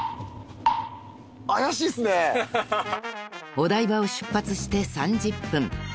［お台場を出発して３０分］